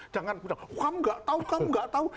jangan hukam enggak tahu